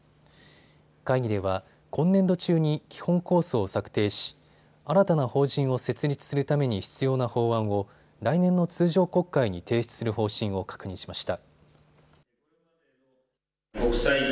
会議では今年度中に基本構想を策定し新たな法人を設立するために必要な法案を来年の通常国会に提出する方針を確認しました。